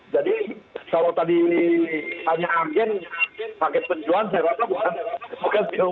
jadi kalau tadi tanya agen paket penjualan saya rasa bukan bukan bio farma